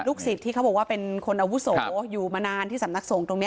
ศิษย์ที่เขาบอกว่าเป็นคนอาวุโสอยู่มานานที่สำนักสงฆ์ตรงนี้